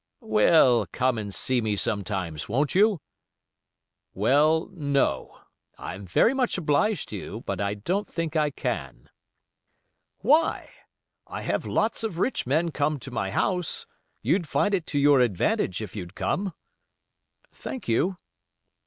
"Well, come and see me sometimes, won't you?" "Well, no, I'm very much obliged to you; but I don't think I can." "Why? I have lots of rich men come to my house. You'd find it to your advantage if you'd come." "Thank you."